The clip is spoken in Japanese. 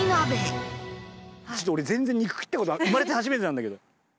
ちょっと俺全然肉切ったこと生まれて初めてなんだけど。